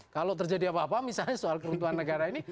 kalau terjadi apa apa misalnya soal keruntuhan negara ini